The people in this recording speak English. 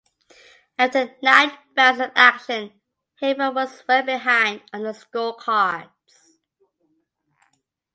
After nine rounds of action Heffron was well behind on the scorecards.